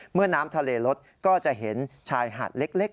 น้ำทะเลลดก็จะเห็นชายหาดเล็ก